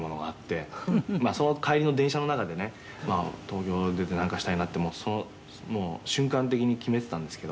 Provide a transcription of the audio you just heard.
「その帰りの電車の中でね東京出てなんかしたいなって思ってもう瞬間的に決めてたんですけど」